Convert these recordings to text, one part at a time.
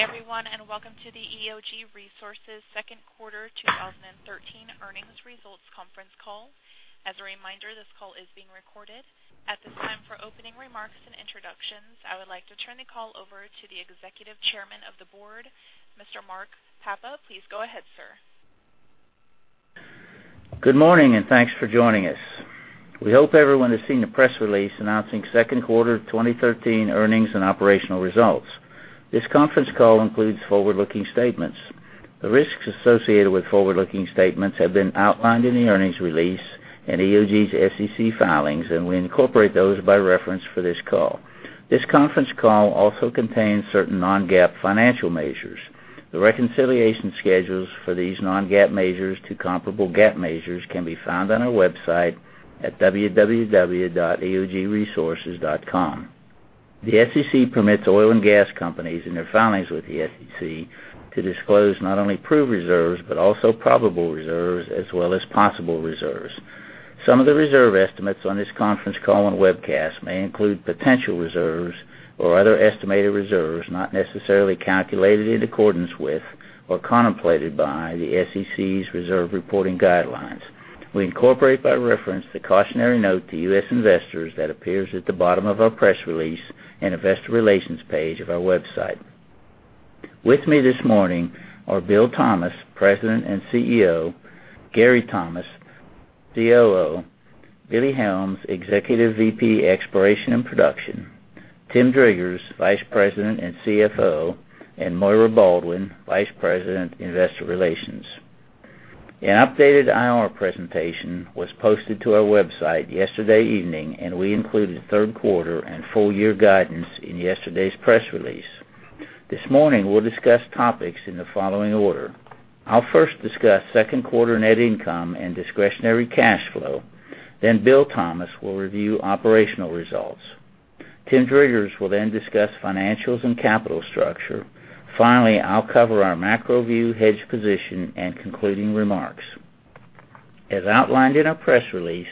Good day, everyone, welcome to the EOG Resources second quarter 2013 earnings results conference call. As a reminder, this call is being recorded. At this time, for opening remarks and introductions, I would like to turn the call over to the Executive Chairman of the Board, Mr. Mark Papa. Please go ahead, sir. Good morning, thanks for joining us. We hope everyone has seen the press release announcing second quarter 2013 earnings and operational results. This conference call includes forward-looking statements. The risks associated with forward-looking statements have been outlined in the earnings release and EOG's SEC filings, we incorporate those by reference for this call. This conference call also contains certain non-GAAP financial measures. The reconciliation schedules for these non-GAAP measures to comparable GAAP measures can be found on our website at www.eogresources.com. The SEC permits oil and gas companies in their filings with the SEC to disclose not only proved reserves, also probable reserves as well as possible reserves. Some of the reserve estimates on this conference call and webcast may include potential reserves or other estimated reserves not necessarily calculated in accordance with or contemplated by the SEC's reserve reporting guidelines. We incorporate by reference the cautionary note to U.S. investors that appears at the bottom of our press release in investor relations page of our website. With me this morning are Bill Thomas, President and CEO, Gary Thomas, COO, Lloyd W. Helms, Jr., Executive Vice President, Exploration and Production, Tim Driggers, Vice President and CFO, Moira Baldwin, Vice President, Investor Relations. An updated IR presentation was posted to our website yesterday evening, we included third quarter and full year guidance in yesterday's press release. This morning, we'll discuss topics in the following order. I'll first discuss second quarter net income and discretionary cash flow. Bill Thomas will review operational results. Tim Driggers will discuss financials and capital structure. Finally, I'll cover our macro view, hedge position, and concluding remarks. As outlined in our press release,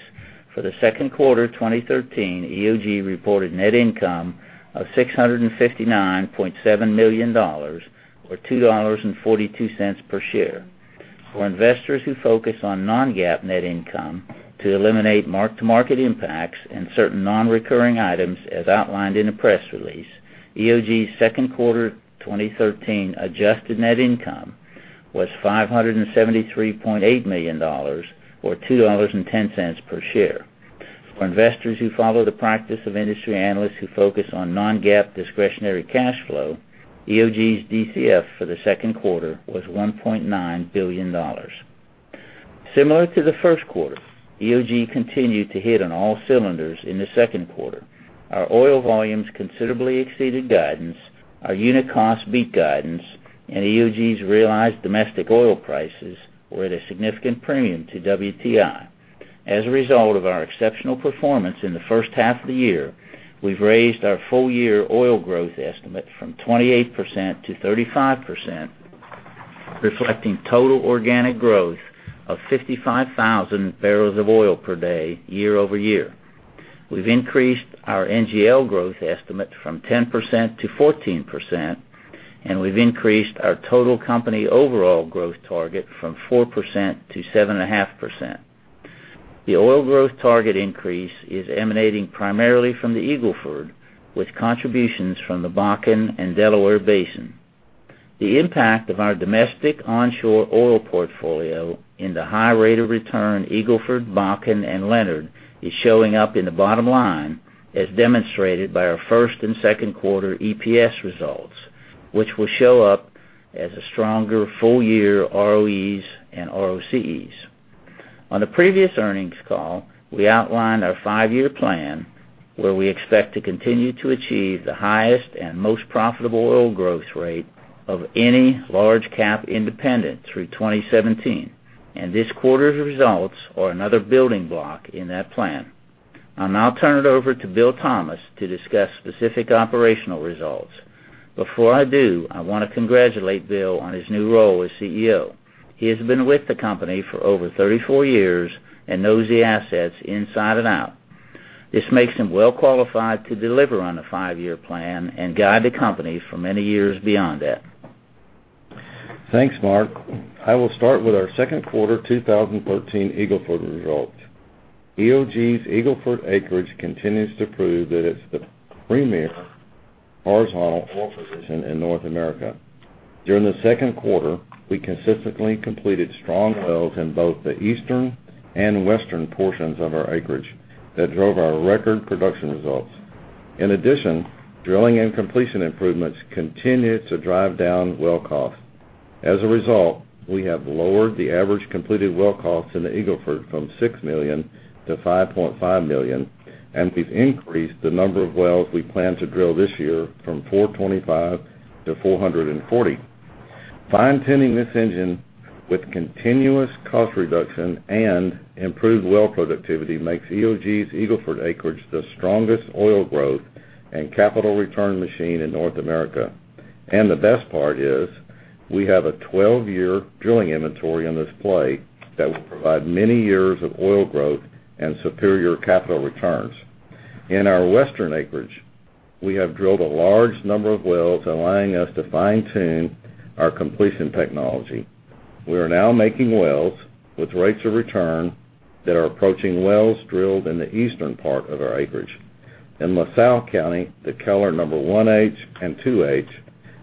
for the second quarter 2013, EOG reported net income of $659.7 million or $2.42 per share. For investors who focus on non-GAAP net income to eliminate mark-to-market impacts and certain non-recurring items as outlined in the press release, EOG's second quarter 2013 adjusted net income was $573.8 million or $2.10 per share. For investors who follow the practice of industry analysts who focus on non-GAAP discretionary cash flow, EOG's DCF for the second quarter was $1.9 billion. Similar to the first quarter, EOG continued to hit on all cylinders in the second quarter. Our oil volumes considerably exceeded guidance, our unit cost beat guidance, EOG's realized domestic oil prices were at a significant premium to WTI. As a result of our exceptional performance in the first half of the year, we've raised our full year oil growth estimate from 28% to 35%, reflecting total organic growth of 55,000 barrels of oil per day year-over-year. We've increased our NGL growth estimate from 10% to 14%, and we've increased our total company overall growth target from 4% to 7.5%. The oil growth target increase is emanating primarily from the Eagle Ford, with contributions from the Bakken and Delaware Basin. The impact of our domestic onshore oil portfolio in the high rate of return Eagle Ford, Bakken, and Leonard is showing up in the bottom line as demonstrated by our first and second quarter EPS results, which will show up as a stronger full year ROEs and ROCEs. On the previous earnings call, we outlined our five-year plan, where we expect to continue to achieve the highest and most profitable oil growth rate of any large cap independent through 2017. This quarter's results are another building block in that plan. I'll now turn it over to Bill Thomas to discuss specific operational results. Before I do, I want to congratulate Bill on his new role as CEO. He has been with the company for over 34 years and knows the assets inside and out. This makes him well qualified to deliver on the five-year plan and guide the company for many years beyond that. Thanks, Mark. I will start with our second quarter 2013 Eagle Ford results. EOG's Eagle Ford acreage continues to prove that it's the premier horizontal oil position in North America. During the second quarter, we consistently completed strong wells in both the eastern and western portions of our acreage that drove our record production results. In addition, drilling and completion improvements continued to drive down well costs. As a result, we have lowered the average completed well cost in the Eagle Ford from $6 million to $5.5 million, and we've increased the number of wells we plan to drill this year from 425 to 440. Fine-tuning this engine with continuous cost reduction and improved well productivity makes EOG's Eagle Ford acreage the strongest oil growth and capital return machine in North America. The best part is we have a 12-year drilling inventory in this play that will provide many years of oil growth and superior capital returns. In our Western acreage, we have drilled a large number of wells, allowing us to fine-tune our completion technology. We are now making wells with rates of return that are approaching wells drilled in the eastern part of our acreage. In LaSalle County, the Keller number 1H and 2H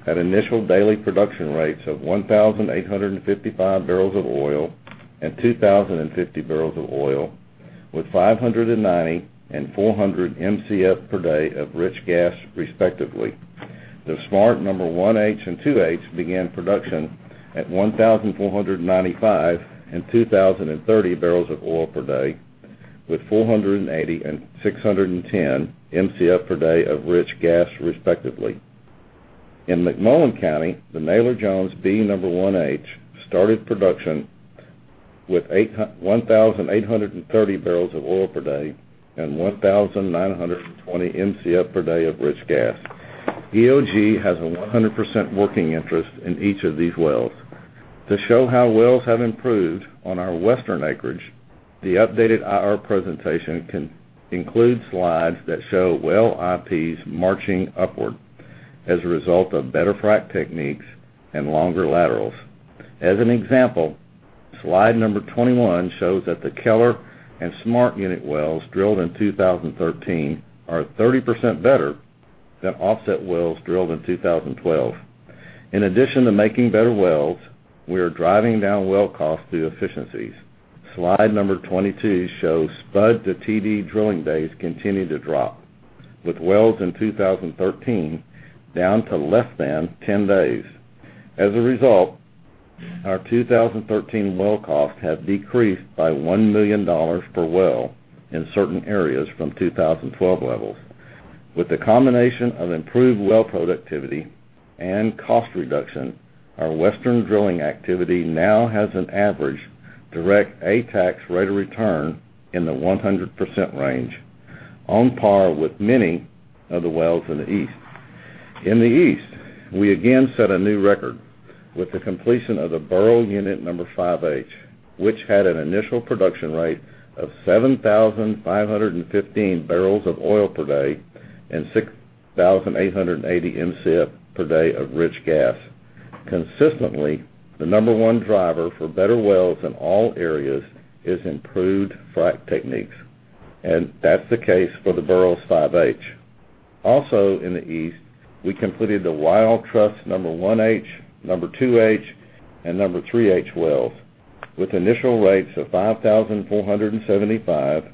had initial daily production rates of 1,855 barrels of oil and 2,050 barrels of oil, with 590 and 400 MCF per day of rich gas, respectively. The Smart number 1H and 2H began production at 1,495 and 2,030 barrels of oil per day, with 480 and 610 MCF per day of rich gas, respectively. In McMullen County, the Naylor Jones B number 1H started production with 1,830 barrels of oil per day and 1,920 MCF per day of rich gas. EOG has a 100% working interest in each of these wells. To show how wells have improved on our Western acreage, the updated IR presentation includes slides that show well IPs marching upward as a result of better frac techniques and longer laterals. As an example, slide number 21 shows that the Keller and Smart unit wells drilled in 2013 are 30% better than offset wells drilled in 2012. In addition to making better wells, we are driving down well cost through efficiencies. Slide number 22 shows spud to TD drilling days continue to drop, with wells in 2013 down to less than 10 days. As a result, our 2013 well costs have decreased by $1 million per well in certain areas from 2012 levels. With the combination of improved well productivity and cost reduction, our Western drilling activity now has an average direct ATEX rate of return in the 100% range, on par with many of the wells in the East. In the East, we again set a new record with the completion of the Burroughs unit number 5H, which had an initial production rate of 7,515 barrels of oil per day and 6,880 MCF per day of rich gas. Consistently, the number one driver for better wells in all areas is improved frac techniques, and that's the case for the Burroughs 5H. Also in the East, we completed the Wild Trust number 1H, number 2H, and number 3H wells with initial rates of 5,475,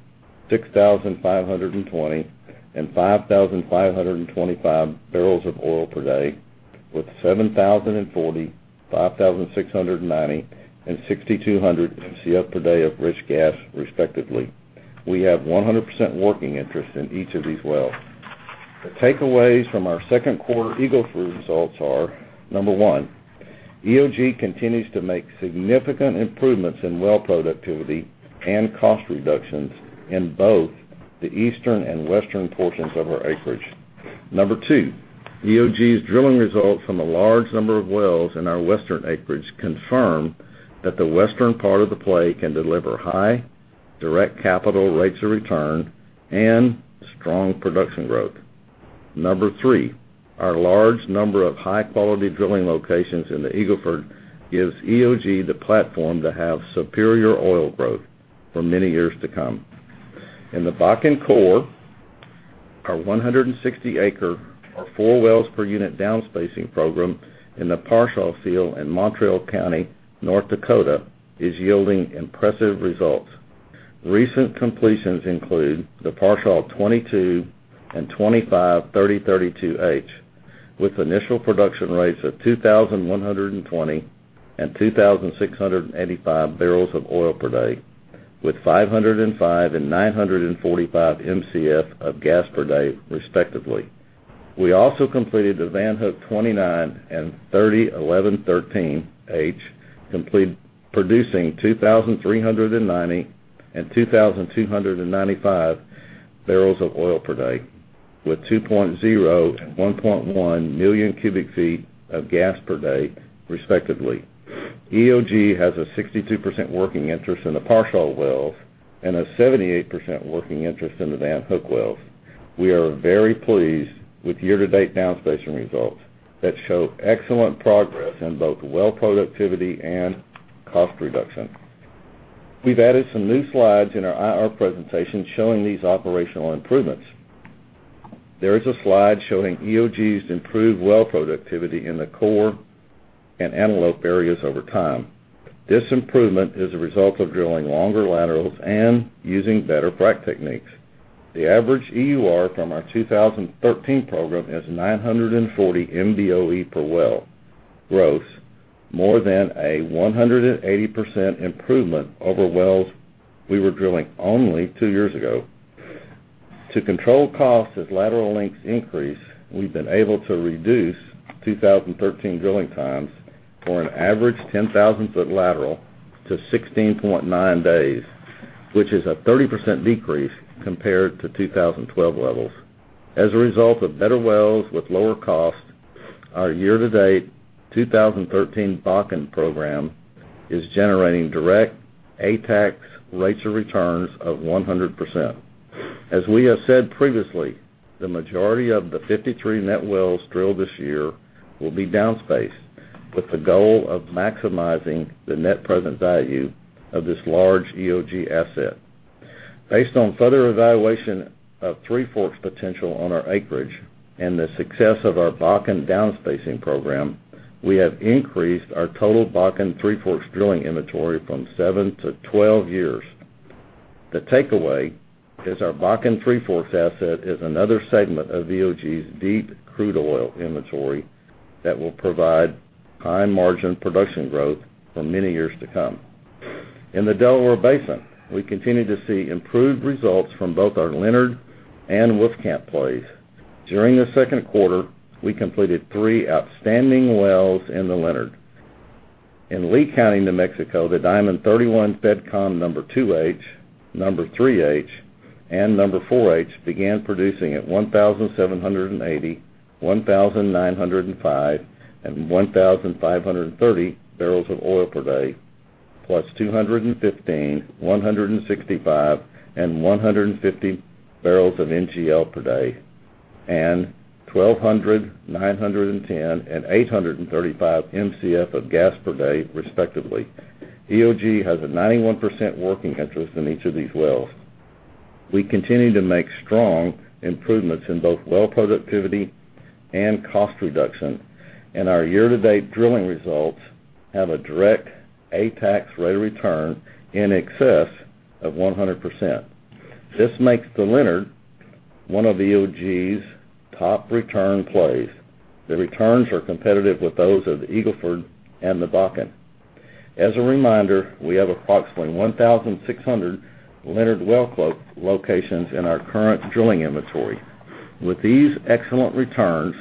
6,520, and 5,525 barrels of oil per day, with 7,040, 5,690, and 6,200 MCF per day of rich gas, respectively. We have 100% working interest in each of these wells. The takeaways from our second quarter Eagle Ford results are, number one, EOG continues to make significant improvements in well productivity and cost reductions in both the eastern and western portions of our acreage. Number two, EOG's drilling results from a large number of wells in our Western acreage confirm that the western part of the play can deliver high, direct capital rates of return and strong production growth. Number three, our large number of high-quality drilling locations in the Eagle Ford gives EOG the platform to have superior oil growth for many years to come. In the Bakken Core, our 160 acre or four wells per unit downspacing program in the Parshall field in Mountrail County, North Dakota, is yielding impressive results. Recent completions include the Parshall 22 and 25, 30, 32H with initial production rates of 2,120 and 2,685 barrels of oil per day, with 505 and 945 MCF of gas per day, respectively. We also completed the Van Hook 29 and 30-11 13H, producing 2,390 and 2,295 barrels of oil per day with 2.0 and 1.1 million cubic feet of gas per day, respectively. EOG has a 62% working interest in the Parshall wells and a 78% working interest in the Van Hook wells. We are very pleased with year-to-date downspacing results that show excellent progress in both well productivity and cost reduction. We've added some new slides in our IR presentation showing these operational improvements. There is a slide showing EOG's improved well productivity in the core and analog areas over time. This improvement is a result of drilling longer laterals and using better frac techniques. The average EUR from our 2013 program is 940 MBOE per well, gross, more than a 180% improvement over wells we were drilling only two years ago. To control costs as lateral lengths increase, we've been able to reduce 2013 drilling times for an average 10,000-foot lateral to 16.9 days, which is a 30% decrease compared to 2012 levels. As a result of better wells with lower cost, our year-to-date 2013 Bakken program is generating direct ATEX rates of returns of 100%. As we have said previously, the majority of the 53 net wells drilled this year will be down-spaced with the goal of maximizing the net present value of this large EOG asset. Based on further evaluation of Three Forks potential on our acreage and the success of our Bakken down-spacing program, we have increased our total Bakken Three Forks drilling inventory from seven to 12 years. The takeaway is our Bakken Three Forks asset is another segment of EOG's deep crude oil inventory that will provide high-margin production growth for many years to come. In the Delaware Basin, we continue to see improved results from both our Leonard and Wolfcamp plays. During the second quarter, we completed three outstanding wells in the Leonard. In Lea County, New Mexico, the Diamond 31 FedCom number 2H, number 3H, and number 4H began producing at 1,780, 1,905, and 1,530 barrels of oil per day, plus 215, 165, and 150 barrels of NGL per day, and 1,200, 910, and 835 MCF of gas per day, respectively. EOG has a 91% working interest in each of these wells. We continue to make strong improvements in both well productivity and cost reduction, and our year-to-date drilling results have a direct ATEX rate of return in excess of 100%. This makes the Leonard one of EOG's top return plays. The returns are competitive with those of the Eagle Ford and the Bakken. As a reminder, we have approximately 1,600 Leonard well locations in our current drilling inventory. With these excellent returns,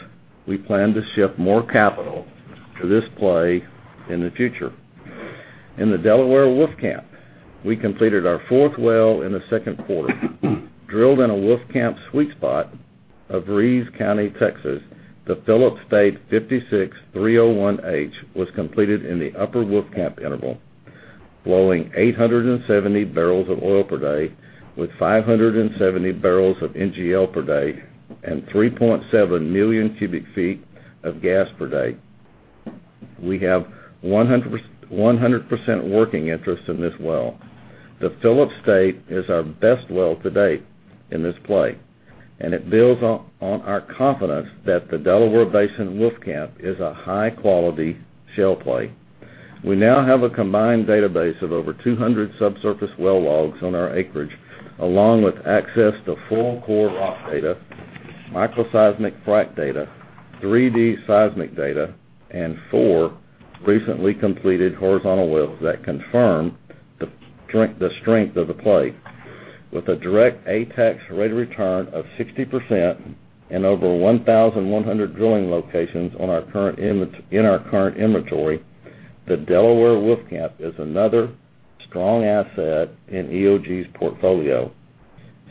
we plan to shift more capital to this play in the future. In the Delaware Wolfcamp, we completed our fourth well in the second quarter. Drilled in a Wolfcamp sweet spot of Reeves County, Texas, the Phillips State 56301H was completed in the upper Wolfcamp interval, flowing 870 barrels of oil per day with 570 barrels of NGL per day and 3.7 million cubic feet of gas per day. We have 100% working interest in this well. The Phillips State is our best well to date in this play, and it builds on our confidence that the Delaware Basin Wolfcamp is a high-quality shale play. We now have a combined database of over 200 subsurface well logs on our acreage, along with access to full core rock data, microseismic frac data, 3D seismic data, and four recently completed horizontal wells that confirm the strength of the play. With a direct ATEX rate of return of 60% and over 1,100 drilling locations in our current inventory, the Delaware Wolfcamp is another strong asset in EOG's portfolio.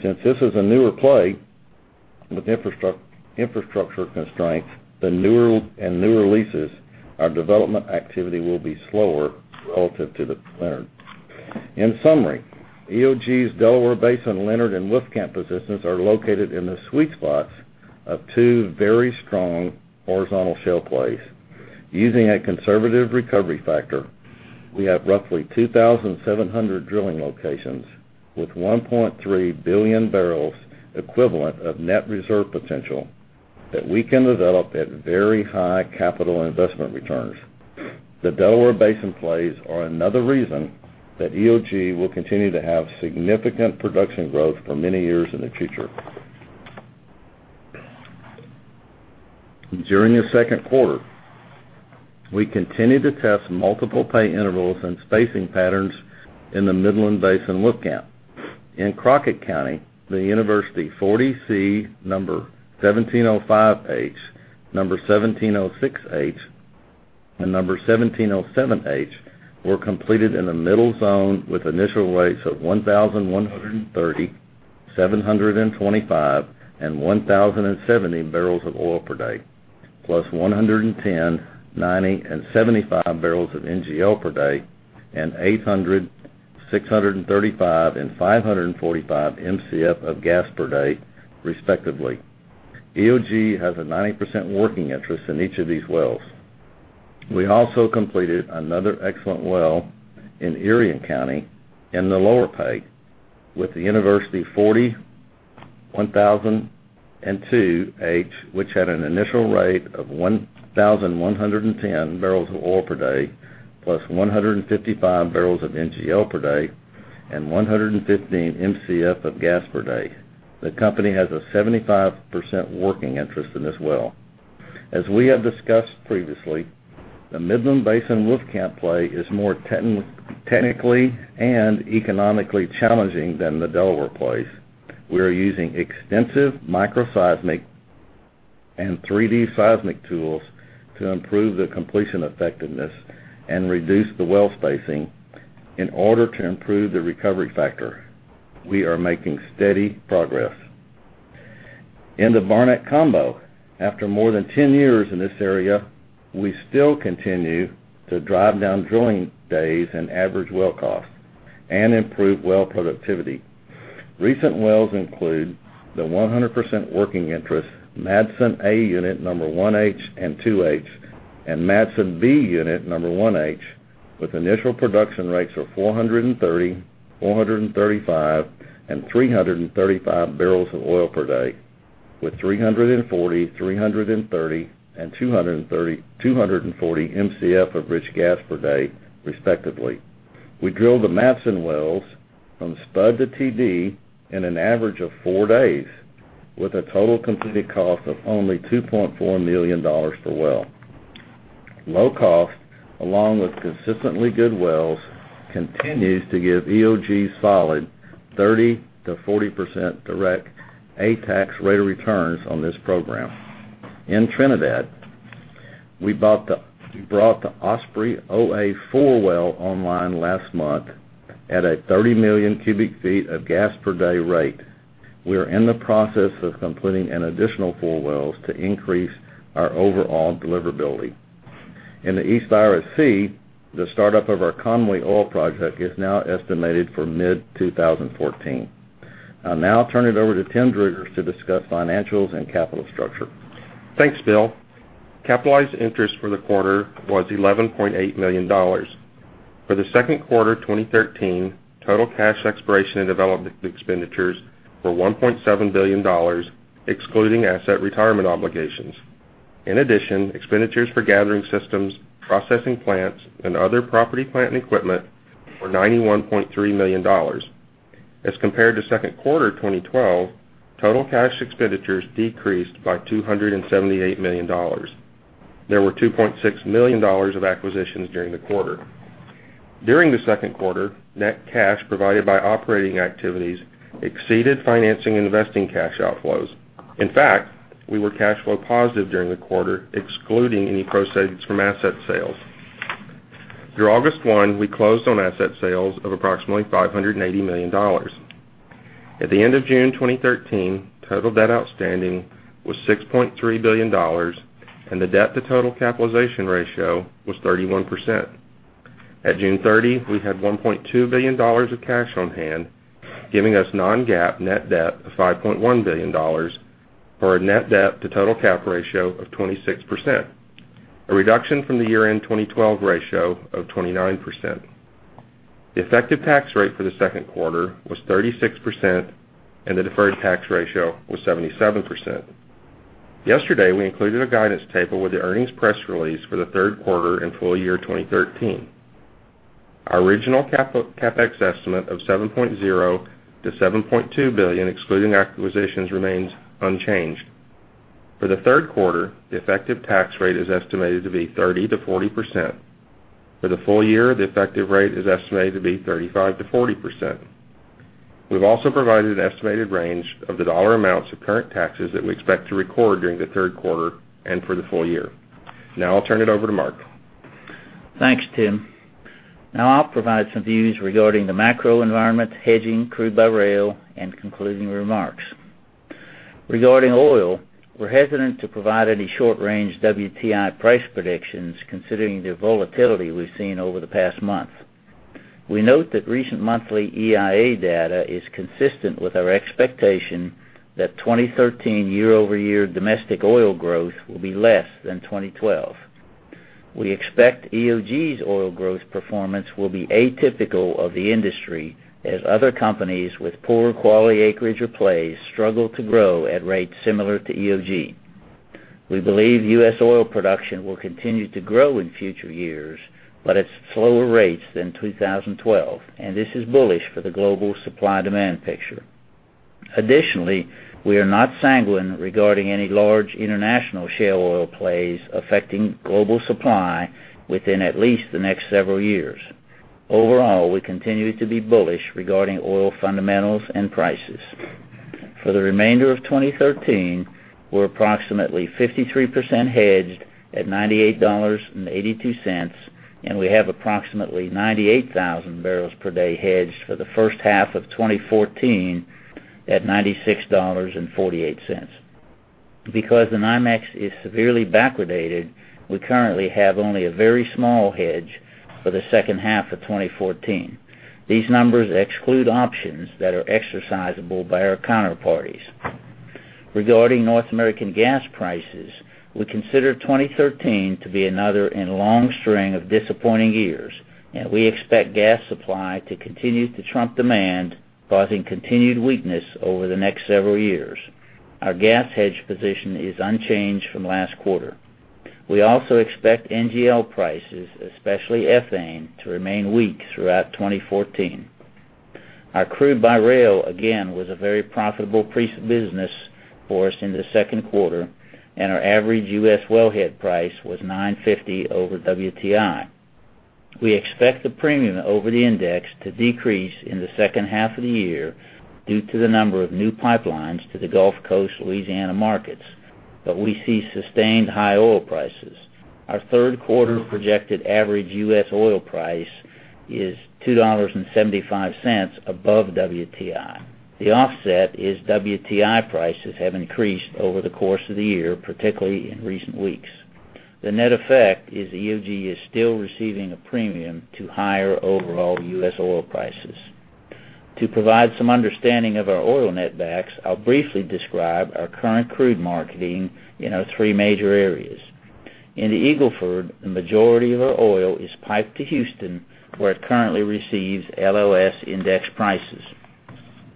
Since this is a newer play with infrastructure constraints and new releases, our development activity will be slower relative to the Leonard. In summary, EOG's Delaware Basin Leonard and Wolfcamp positions are located in the sweet spots of two very strong horizontal shale plays. Using a conservative recovery factor, we have roughly 2,700 drilling locations with 1.3 billion barrels equivalent of net reserve potential that we can develop at very high capital investment returns. The Delaware Basin plays are another reason that EOG will continue to have significant production growth for many years in the future. During the second quarter, we continued to test multiple pay intervals and spacing patterns in the Midland Basin Wolfcamp. In Crockett County, the University 40C number 1705H, number 1706H, and number 1707H were completed in the middle zone with initial rates of 1,130, 725, and 1,070 barrels of oil per day, plus 110, 90, and 75 barrels of NGL per day, and 800, 635, and 545 MCF of gas per day, respectively. EOG has a 90% working interest in each of these wells. We also completed another excellent well in Irion County in the lower pay with the University 40-1002H, which had an initial rate of 1,110 barrels of oil per day, plus 155 barrels of NGL per day and 115 MCF of gas per day. The company has a 75% working interest in this well. As we have discussed previously, the Midland Basin Wolfcamp play is more technically and economically challenging than the Delaware plays. We are using extensive microseismic and 3D seismic tools to improve the completion effectiveness and reduce the well spacing In order to improve the recovery factor, we are making steady progress. In the Barnett Combo, after more than 10 years in this area, we still continue to drive down drilling days and average well costs and improve well productivity. Recent wells include the 100% working interest Madsen A unit number 1H and 2H, and Madsen B unit number 1H, with initial production rates of 430, 435, and 335 barrels of oil per day, with 340, 330, and 240 MCF of rich gas per day, respectively. We drilled the Madsen wells from SPUD to TD in an average of four days, with a total completed cost of only $2.4 million per well. Low cost, along with consistently good wells, continues to give EOG solid 30%-40% direct ATEX rate of returns on this program. In Trinidad, we brought the Osprey OA4 well online last month at a 30 million cubic feet of gas per day rate. We are in the process of completing an additional four wells to increase our overall deliverability. In the East Irish Sea, the startup of our Conwy Oil project is now estimated for mid-2014. I'll now turn it over to Tim Driggers to discuss financials and capital structure. Thanks, Bill. Capitalized interest for the quarter was $11.8 million. For the second quarter 2013, total cash exploration and development expenditures were $1.7 billion, excluding asset retirement obligations. In addition, expenditures for gathering systems, processing plants, and other property, plant, and equipment were $91.3 million. As compared to second quarter 2012, total cash expenditures decreased by $278 million. There were $2.6 million of acquisitions during the quarter. During the second quarter, net cash provided by operating activities exceeded financing and investing cash outflows. In fact, we were cash flow positive during the quarter, excluding any proceeds from asset sales. Through August 1, we closed on asset sales of approximately $580 million. At the end of June 2013, total debt outstanding was $6.3 billion, and the debt-to-total capitalization ratio was 31%. At June 30, we had $1.2 billion of cash on hand, giving us non-GAAP net debt of $5.1 billion, or a net debt to total cap ratio of 26%, a reduction from the year-end 2012 ratio of 29%. The effective tax rate for the second quarter was 36%, and the deferred tax ratio was 77%. Yesterday, we included a guidance table with the earnings press release for the third quarter and full year 2013. Our original CapEx estimate of $7.0 billion-$7.2 billion, excluding acquisitions, remains unchanged. For the third quarter, the effective tax rate is estimated to be 30%-40%. For the full year, the effective rate is estimated to be 35%-40%. We've also provided an estimated range of the dollar amounts of current taxes that we expect to record during the third quarter and for the full year. Now I'll turn it over to Mark. Thanks, Tim. Now I'll provide some views regarding the macro environment, hedging, crude by rail, and concluding remarks. Regarding oil, we're hesitant to provide any short-range WTI price predictions, considering the volatility we've seen over the past month. We note that recent monthly EIA data is consistent with our expectation that 2013 year-over-year domestic oil growth will be less than 2012. We expect EOG's oil growth performance will be atypical of the industry, as other companies with poor quality acreage or plays struggle to grow at rates similar to EOG. We believe U.S. oil production will continue to grow in future years, but at slower rates than 2012, and this is bullish for the global supply-demand picture. Additionally, we are not sanguine regarding any large international shale oil plays affecting global supply within at least the next several years. Overall, we continue to be bullish regarding oil fundamentals and prices. For the remainder of 2013, we're approximately 53% hedged at $98.82, and we have approximately 98,000 barrels per day hedged for the first half of 2014 at $96.48. Because the NYMEX is severely backwardated, we currently have only a very small hedge for the second half of 2014. These numbers exclude options that are exercisable by our counterparties. Regarding North American gas prices, we consider 2013 to be another in a long string of disappointing years, and we expect gas supply to continue to trump demand, causing continued weakness over the next several years. Our gas hedge position is unchanged from last quarter. We also expect NGL prices, especially ethane, to remain weak throughout 2014. Our crude by rail, again, was a very profitable piece of business for us in the second quarter, and our average U.S. wellhead price was $9.50 over WTI. We expect the premium over the index to decrease in the second half of the year due to the number of new pipelines to the Gulf Coast Louisiana markets. We see sustained high oil prices. Our third quarter projected average U.S. oil price is $2.75 above WTI. The offset is WTI prices have increased over the course of the year, particularly in recent weeks. The net effect is EOG is still receiving a premium to higher overall U.S. oil prices. To provide some understanding of our oil net backs, I'll briefly describe our current crude marketing in our three major areas. In the Eagle Ford, the majority of our oil is piped to Houston, where it currently receives LLS index prices.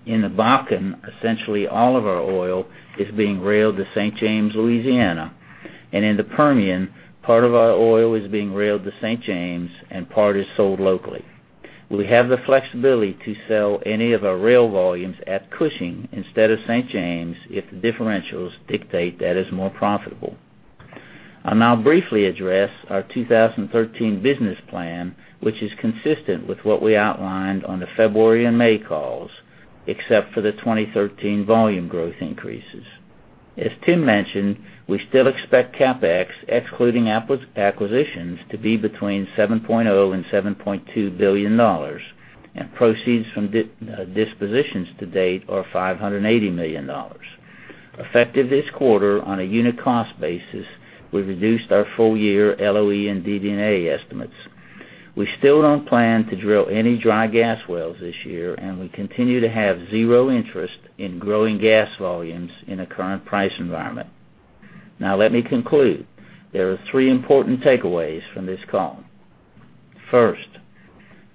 In the Bakken, essentially all of our oil is being railed to St. James, Louisiana. In the Permian, part of our oil is being railed to St. James and part is sold locally. We have the flexibility to sell any of our rail volumes at Cushing instead of St. James if the differentials dictate that is more profitable. I'll now briefly address our 2013 business plan, which is consistent with what we outlined on the February and May calls, except for the 2013 volume growth increases. As Tim mentioned, we still expect CapEx, excluding acquisitions, to be between $7.0 billion and $7.2 billion, and proceeds from dispositions to date are $580 million. Effective this quarter, on a unit cost basis, we reduced our full year LOE and DD&A estimates. We still don't plan to drill any dry gas wells this year, and we continue to have zero interest in growing gas volumes in the current price environment. Now let me conclude. There are three important takeaways from this call. First,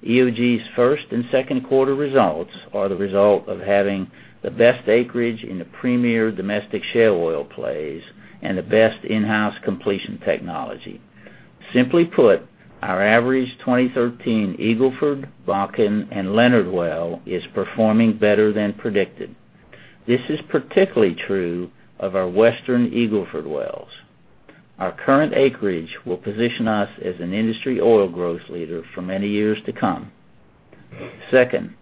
EOG's first and second quarter results are the result of having the best acreage in the premier domestic shale oil plays and the best in-house completion technology. Simply put, our average 2013 Eagle Ford, Bakken, and Leonard well is performing better than predicted. This is particularly true of our Western Eagle Ford wells. Our current acreage will position us as an industry oil growth leader for many years to come. Second,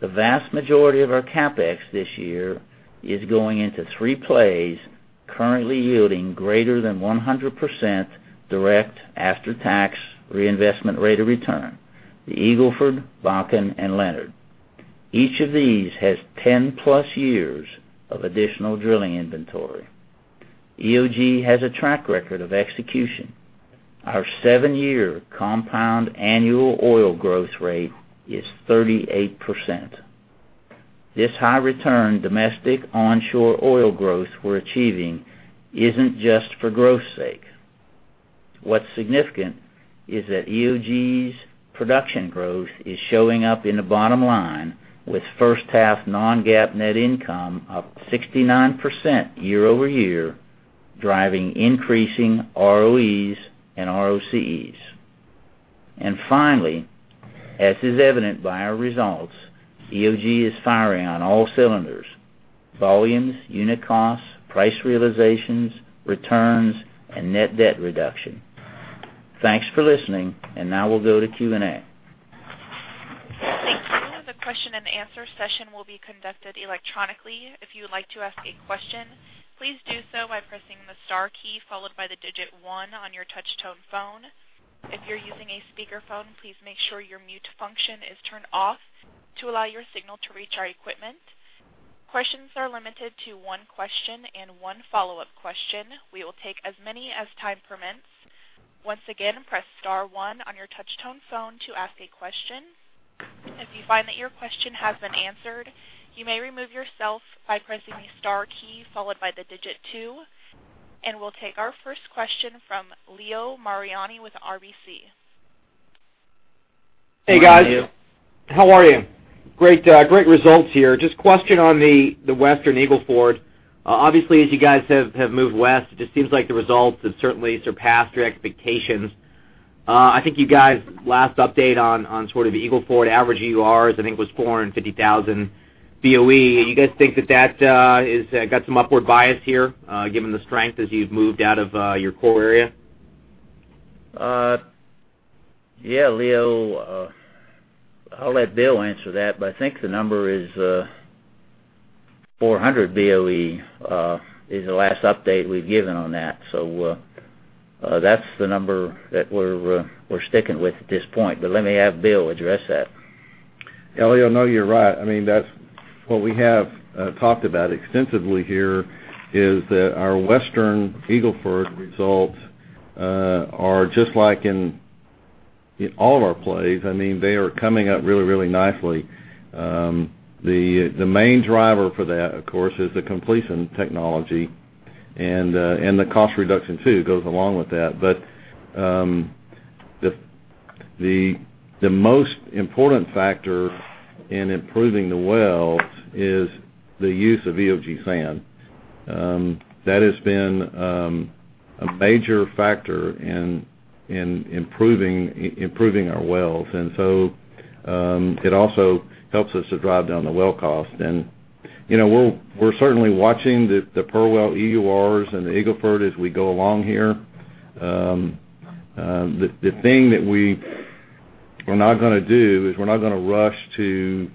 the vast majority of our CapEx this year is going into three plays currently yielding greater than 100% direct after-tax reinvestment rate of return: the Eagle Ford, Bakken, and Leonard. Each of these has 10 plus years of additional drilling inventory. EOG has a track record of execution. Our seven-year compound annual oil growth rate is 38%. This high return domestic onshore oil growth we're achieving isn't just for growth's sake. What's significant is that EOG's production growth is showing up in the bottom line with first half non-GAAP net income up 69% year-over-year, driving increasing ROEs and ROCEs. Finally, as is evident by our results, EOG is firing on all cylinders: volumes, unit costs, price realizations, returns, and net debt reduction. Thanks for listening, now we'll go to Q&A. Thank you. The question and answer session will be conducted electronically. If you would like to ask a question, please do so by pressing the star key followed by the digit 1 on your touch tone phone. If you're using a speakerphone, please make sure your mute function is turned off to allow your signal to reach our equipment. Questions are limited to one question and one follow-up question. We will take as many as time permits. Once again, press star one on your touch tone phone to ask a question. If you find that your question has been answered, you may remove yourself by pressing the star key followed by the digit 2. We'll take our first question from Leo Mariani with RBC. Good morning, Leo. Hey, guys. How are you? Great results here. Just a question on the Western Eagle Ford. Obviously, as you guys have moved west, it just seems like the results have certainly surpassed your expectations. I think you guys last updated on sort of the Eagle Ford average EURs, I think was 450,000 BOE. You guys think that got some upward bias here, given the strength as you've moved out of your core area? Yeah, Leo, I'll let Bill answer that. I think the number is 400 MBOE is the last update we've given on that. That's the number that we're sticking with at this point. Let me have Bill address that. Leo, no, you're right. What we have talked about extensively here is that our Western Eagle Ford results are just like in all of our plays. They are coming up really nicely. The main driver for that, of course, is the completion technology and the cost reduction too, goes along with that. The most important factor in improving the wells is the use of EOG sand. That has been a major factor in improving our wells. It also helps us to drive down the well cost. We're certainly watching the per well EURs in the Eagle Ford as we go along here. The thing that we're not going to do is we're not going to rush to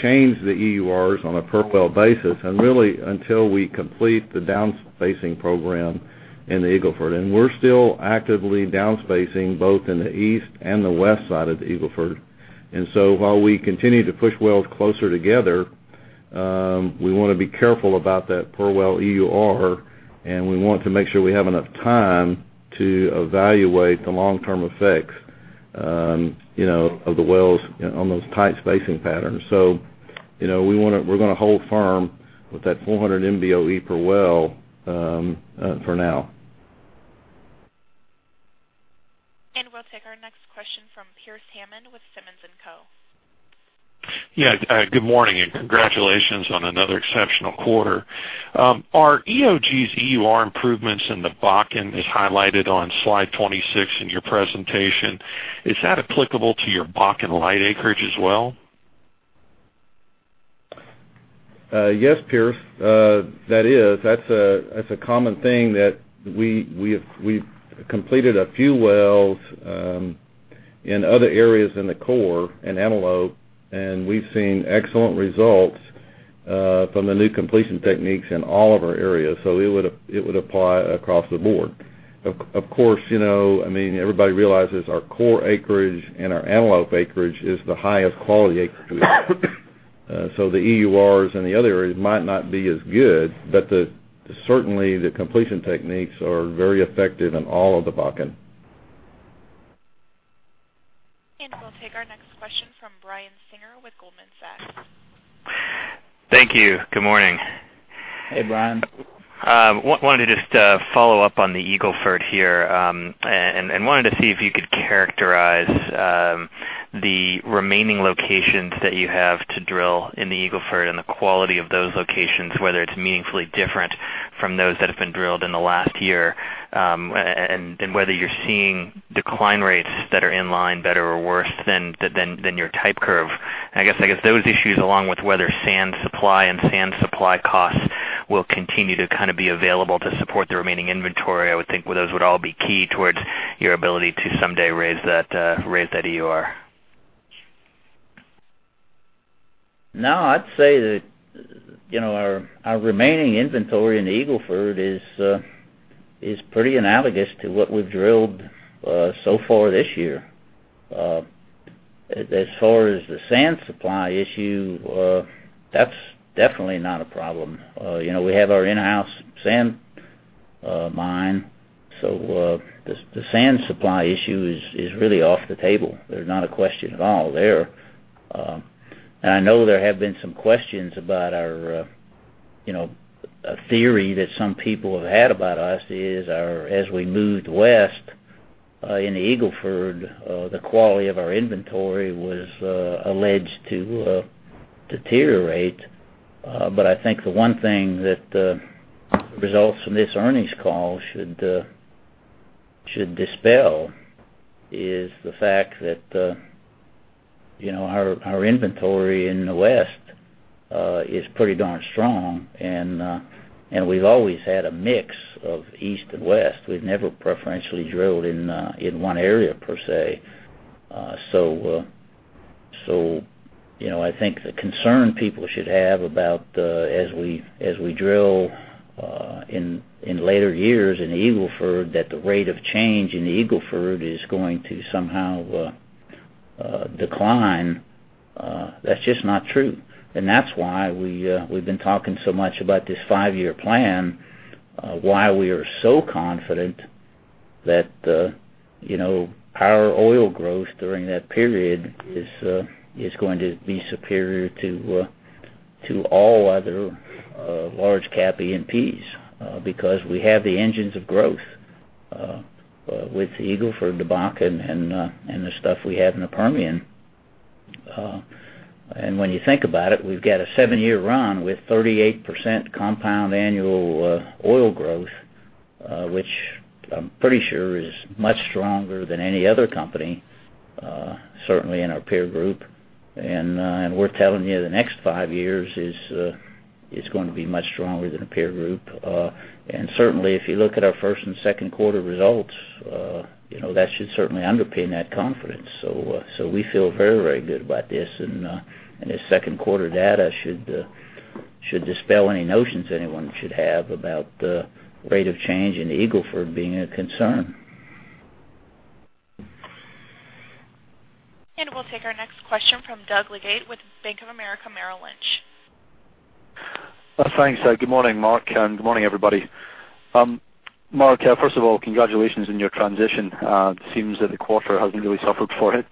change the EURs on a per well basis, really until we complete the down-spacing program in the Eagle Ford. We're still actively down-spacing both in the east and the west side of the Eagle Ford. While we continue to push wells closer together, we want to be careful about that per well EUR, and we want to make sure we have enough time to evaluate the long-term effects of the wells on those tight spacing patterns. We're going to hold firm with that 400 MBOE per well for now. We'll take our next question from Pearce Hammond with Simmons & Co. Yeah. Good morning, congratulations on another exceptional quarter. Are EOG's EUR improvements in the Bakken as highlighted on slide 26 in your presentation, is that applicable to your Bakken light acreage as well? Yes, Pearce. That's a common thing that we've completed a few wells, in other areas in the core in Antelope, and we've seen excellent results, from the new completion techniques in all of our areas. It would apply across the board. Of course, everybody realizes our core acreage and our Antelope acreage is the highest quality acreage. The EURs in the other areas might not be as good, but certainly the completion techniques are very effective in all of the Bakken. We'll take our next question from Brian Singer with Goldman Sachs. Thank you. Good morning. Hey, Brian. Wanted to just follow up on the Eagle Ford here, wanted to see if you could characterize the remaining locations that you have to drill in the Eagle Ford and the quality of those locations, whether it's meaningfully different from those that have been drilled in the last year, whether you're seeing decline rates that are in line, better or worse than your type curve. I guess those issues along with whether sand supply and sand supply costs will continue to be available to support the remaining inventory. I would think those would all be key towards your ability to someday raise that EUR. No, I'd say that our remaining inventory in the Eagle Ford is pretty analogous to what we've drilled so far this year. As far as the sand supply issue, that's definitely not a problem. We have our in-house sand mine, the sand supply issue is really off the table. There's not a question at all there. I know there have been some questions about our theory that some people have had about us is as we moved west, in the Eagle Ford, the quality of our inventory was alleged to deteriorate. I think the one thing that the results from this earnings call should dispel is the fact that our inventory in the west is pretty darn strong and we've always had a mix of east and west. We've never preferentially drilled in one area per se. I think the concern people should have about as we drill in later years in the Eagle Ford, that the rate of change in the Eagle Ford is going to somehow decline, that's just not true. That's why we've been talking so much about this five-year plan, why we are so confident that our oil growth during that period is going to be superior to all other large cap E&Ps, because we have the engines of growth with the Eagle Ford, the Bakken, and the stuff we have in the Permian. When you think about it, we've got a seven-year run with 38% compound annual oil growth, which I'm pretty sure is much stronger than any other company, certainly in our peer group. We're telling you the next five years is going to be much stronger than the peer group. Certainly if you look at our first and second quarter results, that should certainly underpin that confidence. We feel very good about this, and the second quarter data should dispel any notions anyone should have about the rate of change in Eagle Ford being a concern. We'll take our next question from Doug Leggate with Bank of America Merrill Lynch. Thanks. Good morning, Mark, and good morning, everybody. Mark, first of all, congratulations on your transition. It seems that the quarter hasn't really suffered for it.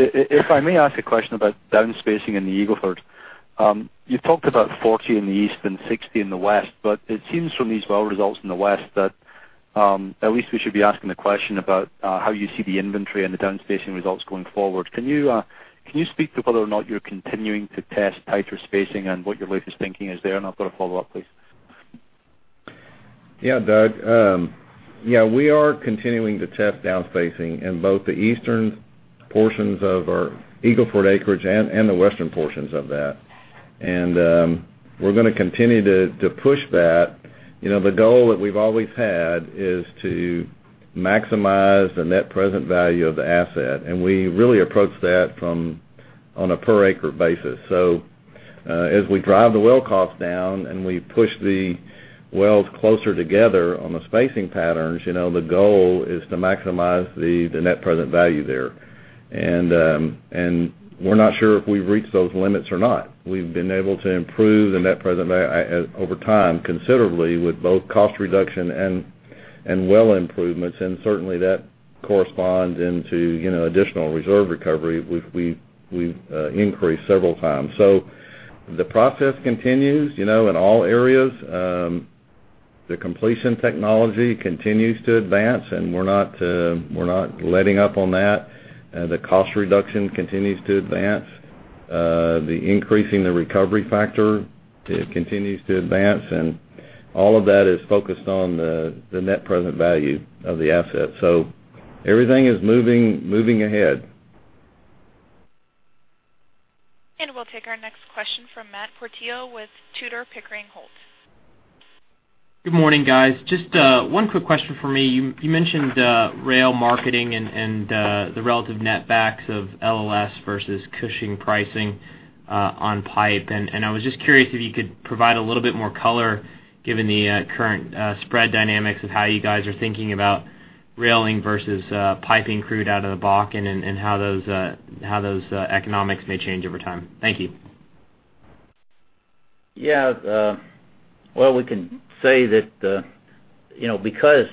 If I may ask a question about down-spacing in the Eagle Ford. You talked about 40 in the east and 60 in the west, but it seems from these well results in the west that, at least we should be asking the question about how you see the inventory and the down-spacing results going forward. Can you speak to whether or not you're continuing to test tighter spacing and what your latest thinking is there? I've got a follow-up, please. Doug. We are continuing to test down-spacing in both the eastern portions of our Eagle Ford acreage and the western portions of that. We're going to continue to push that. The goal that we've always had is to maximize the net present value of the asset. We really approach that on a per acre basis. As we drive the well cost down, and we push the wells closer together on the spacing patterns, the goal is to maximize the net present value there. We're not sure if we've reached those limits or not. We've been able to improve the net present value over time considerably with both cost reduction and well improvements, and certainly that corresponds into additional reserve recovery. We've increased several times. The process continues in all areas. The completion technology continues to advance, and we're not letting up on that. The cost reduction continues to advance. Increasing the recovery factor continues to advance, and all of that is focused on the net present value of the asset. Everything is moving ahead. We'll take our next question from Matt Portillo with Tudor, Pickering, Holt. Good morning, guys. Just one quick question from me. You mentioned rail marketing and the relative net backs of LLS versus Cushing pricing on pipe. I was just curious if you could provide a little bit more color, given the current spread dynamics of how you guys are thinking about railing versus piping crude out of the Bakken, and how those economics may change over time. Thank you. Well, we can say that because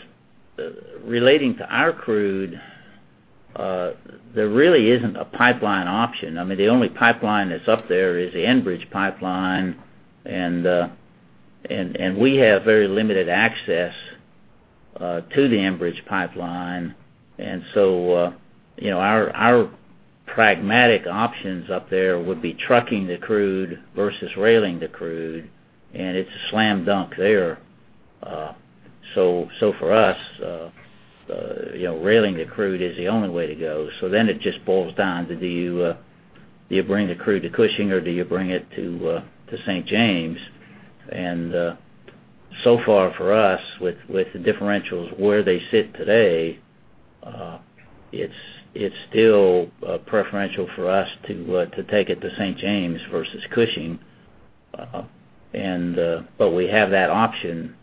relating to our crude, there really isn't a pipeline option. I mean, the only pipeline that's up there is the Enbridge pipeline, and we have very limited access to the Enbridge pipeline. Our pragmatic options up there would be trucking the crude versus railing the crude, and it's a slam dunk there. For us, railing the crude is the only way to go. It just boils down to do you bring the crude to Cushing, or do you bring it to St. James? So far for us, with the differentials where they sit today, it's still preferential for us to take it to St. James versus Cushing. We have that option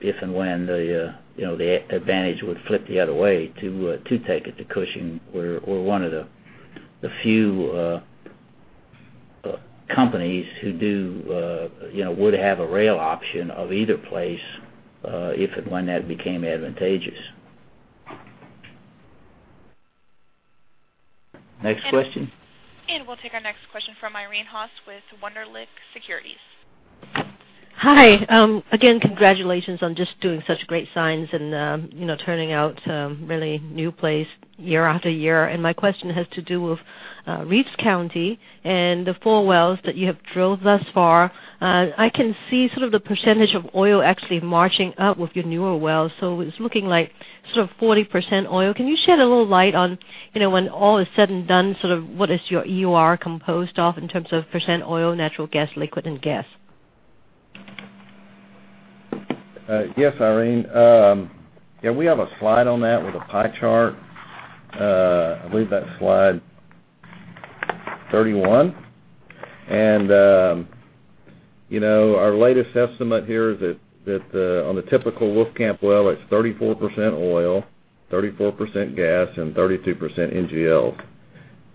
if and when the advantage would flip the other way to take it to Cushing. We're one of the few companies who would have a rail option of either place if and when that became advantageous. Next question. We'll take our next question from Irene Haas with Wunderlich Securities. Hi. Again, congratulations on just doing such great things and turning out really new place year after year. My question has to do with Reeves County and the four wells that you have drilled thus far. I can see sort of the % of oil actually marching up with your newer wells. It's looking like sort of 40% oil. Can you shed a little light on when all is said and done, what is your EUR composed of in terms of % oil, natural gas, liquid and gas? Yes, Irene. We have a slide on that with a pie chart. I believe that's slide 31. Our latest estimate here is that on the typical Wolfcamp well, it's 34% oil, 34% gas, and 32%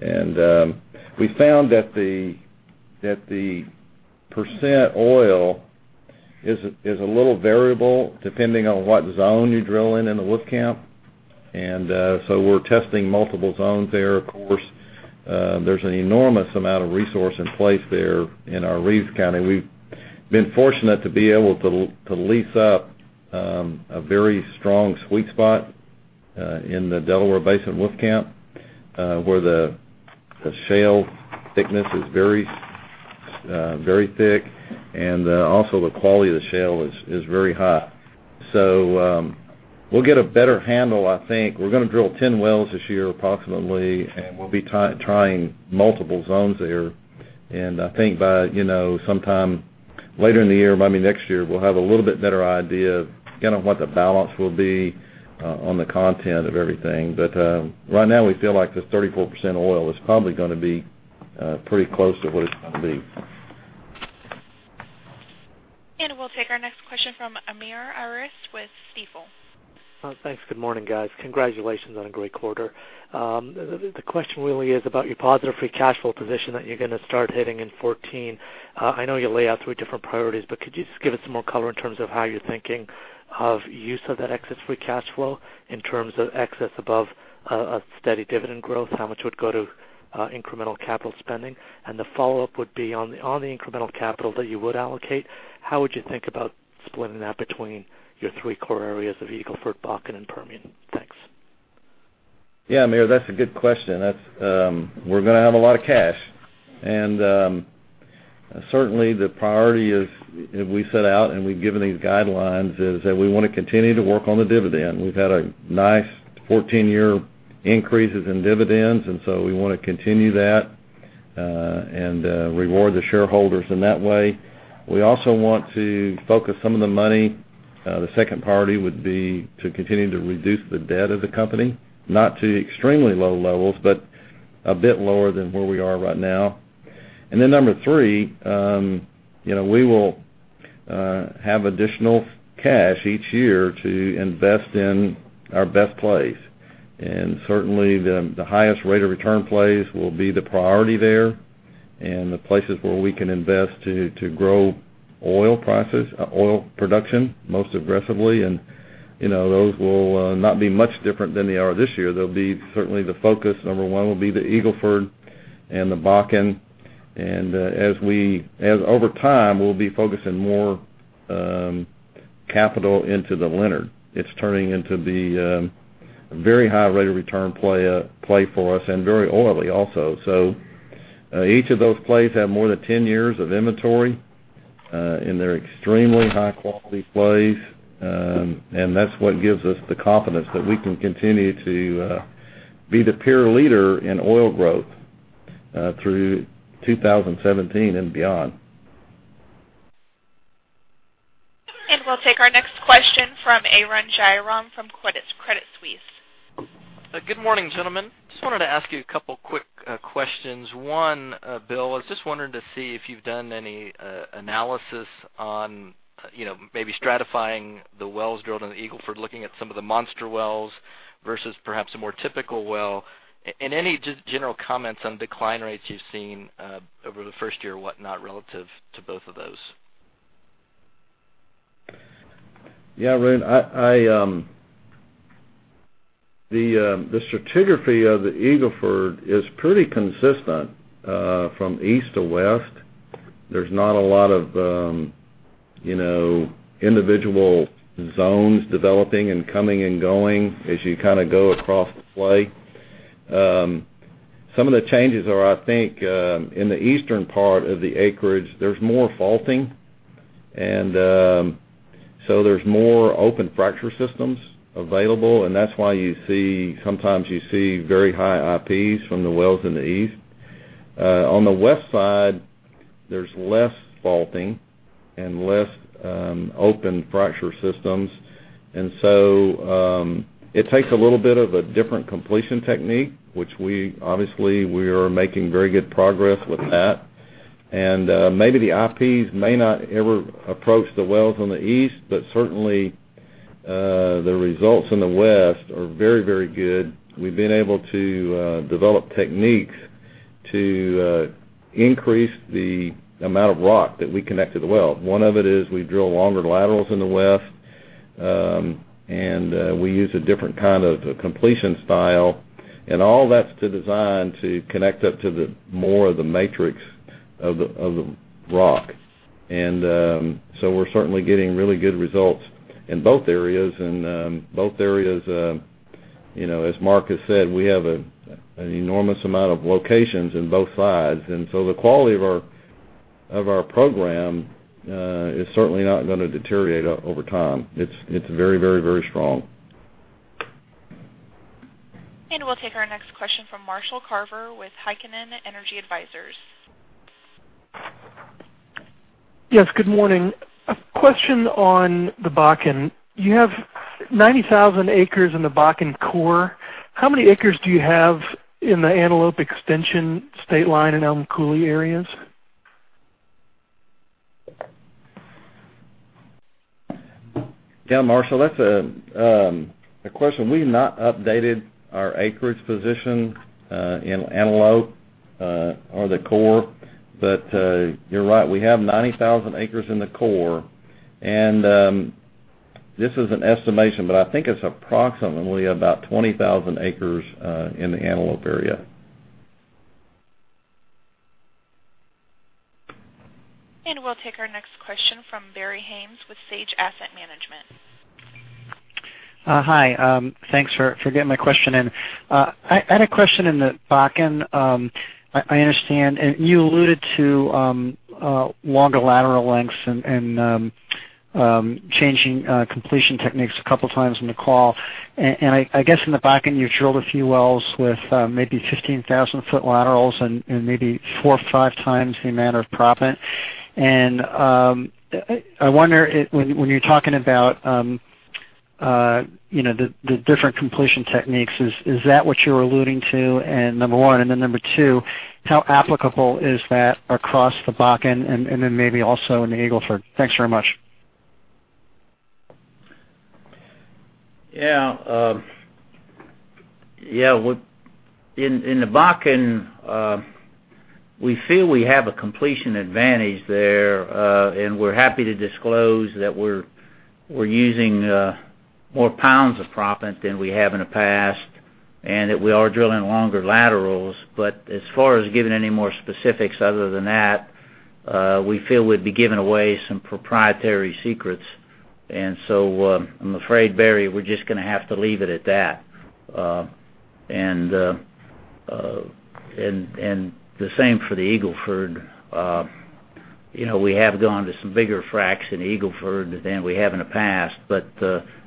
NGL. We found that the % oil is a little variable depending on what zone you drill in in the Wolfcamp. We're testing multiple zones there. Of course, there's an enormous amount of resource in place there in our Reeves County. We've been fortunate to be able to lease up a very strong sweet spot in the Delaware Basin Wolfcamp, where the shale thickness is very thick, and also the quality of the shale is very high. We'll get a better handle, I think. We're going to drill 10 wells this year, approximately, and we'll be trying multiple zones there. I think by sometime later in the year, maybe next year, we'll have a little bit better idea of what the balance will be on the content of everything. Right now, we feel like this 34% oil is probably going to be pretty close to what it's going to be. We'll take our next question from Amir Arif with Stifel. Thanks. Good morning, guys. Congratulations on a great quarter. The question really is about your positive free cash flow position that you're going to start hitting in 2014. I know you lay out three different priorities, could you just give us some more color in terms of how you're thinking of use of that excess free cash flow in terms of excess above a steady dividend growth? How much would go to incremental capital spending? The follow-up would be on the incremental capital that you would allocate, how would you think about splitting that between your three core areas of Eagle Ford, Bakken and Permian? Thanks. Amir Arif, that's a good question. We're going to have a lot of cash. Certainly, the priority is, we set out and we've given these guidelines, is that we want to continue to work on the dividend. We've had a nice 14-year increases in dividends, we want to continue that and reward the shareholders in that way. We also want to focus some of the money. The second priority would be to continue to reduce the debt of the company, not to extremely low levels, but a bit lower than where we are right now. Number three, we will have additional cash each year to invest in our best plays. Certainly, the highest rate of return plays will be the priority there, and the places where we can invest to grow oil production most aggressively. Those will not be much different than they are this year. They'll be certainly the focus. Number one will be the Eagle Ford and the Bakken. As over time, we'll be focusing more capital into the Leonard. It's turning into the very high rate of return play for us and very oily also. Each of those plays have more than 10 years of inventory, and they're extremely high-quality plays. That's what gives us the confidence that we can continue to be the peer leader in oil growth through 2017 and beyond. We'll take our next question from Arun Jayaram from Credit Suisse. Good morning, gentlemen. Just wanted to ask you a couple quick questions. One, Bill, I was just wondering to see if you've done any analysis on maybe stratifying the wells drilled on the Eagle Ford, looking at some of the monster wells versus perhaps a more typical well, and any general comments on decline rates you've seen over the first year, whatnot, relative to both of those. Yeah, Arun, the stratigraphy of the Eagle Ford is pretty consistent from east to west. There's not a lot of individual zones developing and coming and going as you go across the play. Some of the changes are, I think, in the eastern part of the acreage, there's more faulting, so there's more open fracture systems available, and that's why sometimes you see very high IPs from the wells in the east. On the west side, there's less faulting and less open fracture systems. So it takes a little bit of a different completion technique, which we obviously are making very good progress with that. Maybe the IPs may not ever approach the wells on the east, but certainly, the results in the west are very good. We've been able to develop techniques to increase the amount of rock that we connect to the well. One of it is we drill longer laterals in the west, and we use a different kind of completion style, and all that's designed to connect up to the more of the matrix of the rock. So we're certainly getting really good results in both areas. Both areas, as Mark has said, we have an enormous amount of locations in both sides, so the quality of our program is certainly not going to deteriorate over time. It's very strong. We'll take our next question from Marshall Carver with Heikkinen Energy Advisors. Yes, good morning. A question on the Bakken. You have 90,000 acres in the Bakken core. How many acres do you have in the Antelope Extension, State Line, and Elm Coulee areas? Yeah, Marshall, that's a question. We've not updated our acreage position in Antelope or the core. You're right, we have 90,000 acres in the core. This is an estimation, but I think it's approximately about 20,000 acres in the Antelope area. We'll take our next question from Barry Haines with Sage Asset Management. Hi, thanks for getting my question in. I had a question in the Bakken. I understand, you alluded to longer lateral lengths and changing completion techniques a couple of times in the call. I guess in the Bakken, you've drilled a few wells with maybe 15,000-foot laterals and maybe four or five times the amount of proppant. I wonder when you're talking about the different completion techniques, is that what you're alluding to, and number one, and then number two, how applicable is that across the Bakken and then maybe also in the Eagle Ford? Thanks very much. Yeah. In the Bakken, we feel we have a completion advantage there, and we're happy to disclose that we're using more pounds of proppant than we have in the past, and that we are drilling longer laterals. As far as giving any more specifics other than that, we feel we'd be giving away some proprietary secrets. I'm afraid, Barry, we're just going to have to leave it at that. The same for the Eagle Ford. We have gone to some bigger fracs in the Eagle Ford than we have in the past.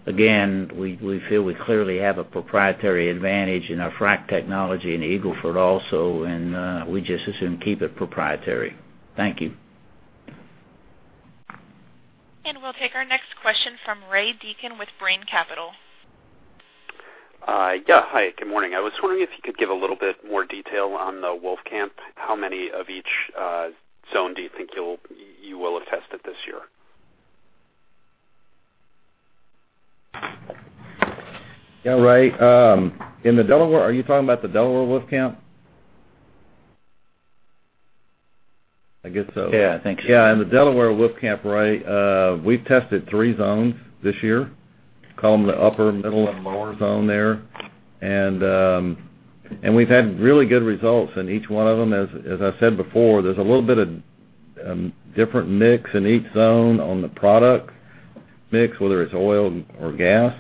Again, we feel we clearly have a proprietary advantage in our frac technology in Eagle Ford also, and we just as soon keep it proprietary. Thank you. We'll take our next question from Ray Deacon with Brean Capital. Yeah. Hi, good morning. I was wondering if you could give a little bit more detail on the Wolfcamp. How many of each zone do you think you will have tested this year? Yeah, Ray, are you talking about the Delaware Wolfcamp? I guess so. Yeah, I think so. Yeah. In the Delaware Wolfcamp, Ray, we've tested three zones this year, call them the upper, middle, and lower zone there. We've had really good results in each one of them. As I said before, there's a little bit of different mix in each zone on the product mix, whether it's oil or gas.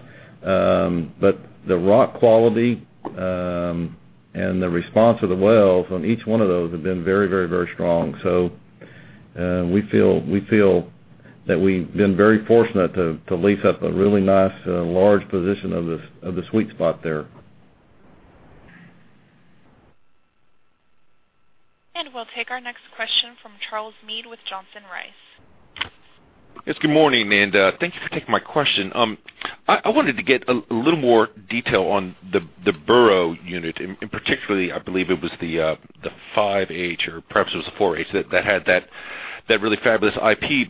The rock quality and the response of the wells on each one of those have been very strong. We feel that we've been very fortunate to lease up a really nice large position of the sweet spot there. We'll take our next question from Charles Meade with Johnson Rice. Yes, good morning, and thank you for taking my question. I wanted to get a little more detail on the Burroughs unit, and particularly, I believe it was the 5H, or perhaps it was the 4H, that had that really fabulous IP.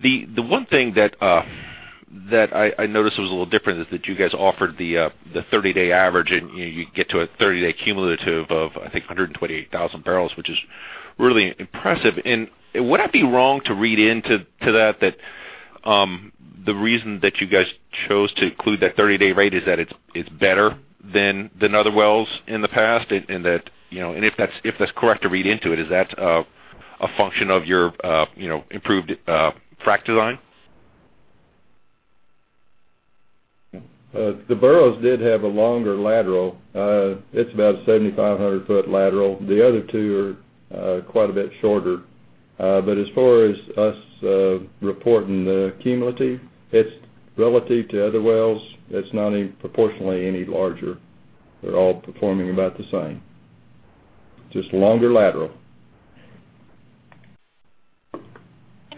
The one thing that I noticed was a little different is that you guys offered the 30-day average, and you get to a 30-day cumulative of, I think, 128,000 barrels, which is really impressive. Would I be wrong to read into that, the reason that you guys chose to include that 30-day rate is that it's better than other wells in the past? If that's correct to read into it, is that a function of your improved frac design? The Burroughs did have a longer lateral. It's about a 7,500-foot lateral. The other two are quite a bit shorter. As far as us reporting the cumulative, it's relative to other wells. It's not proportionally any larger. They're all performing about the same, just longer lateral.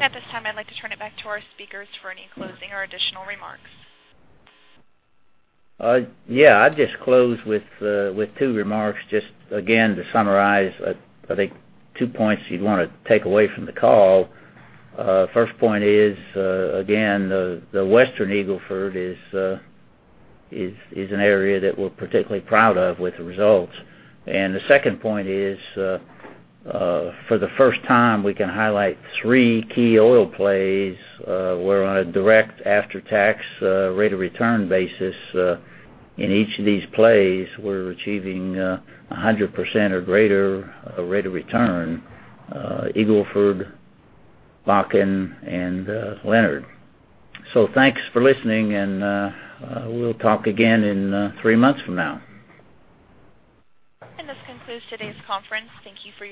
At this time, I'd like to turn it back to our speakers for any closing or additional remarks. Yeah. I'd just close with two remarks, just again, to summarize, I think, two points you'd want to take away from the call. First point is, again, the Western Eagle Ford is an area that we're particularly proud of with the results. The second point is, for the first time, we can highlight three key oil plays where on a direct after-tax rate of return basis in each of these plays, we're achieving 100% or greater rate of return, Eagle Ford, Bakken, and Leonard. Thanks for listening, and we'll talk again in three months from now. This concludes today's conference. Thank you for your participation.